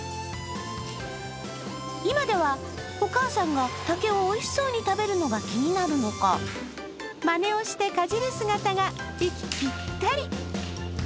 今ではお母さんが竹をおいしそうに食べるのが気になるのか、まねをして、かじる姿が息ピッタリ。